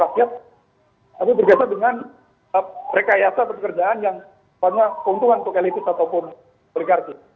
tapi bergeser dengan rekayasa pekerjaan yang banyak keuntungan untuk elitist ataupun berkarti